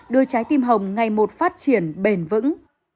đưa trái tim hồng ngày một phát triển bền vững